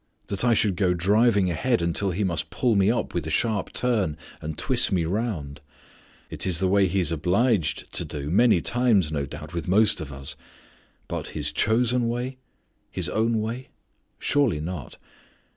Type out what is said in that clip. That I should go driving ahead until He must pull me up with a sharp turn, and twist me around! It is the way He is obliged to do many times, no doubt, with most of us. But His chosen way? His own way? Surely not.